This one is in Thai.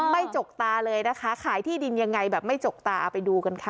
จกตาเลยนะคะขายที่ดินยังไงแบบไม่จกตาไปดูกันค่ะ